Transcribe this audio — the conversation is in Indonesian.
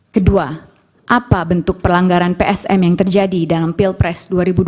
kedua apa bentuk pelanggaran psm yang terjadi dalam pilpres dua ribu dua puluh